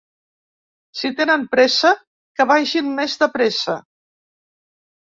Si tenen pressa, que vagin més de pressa.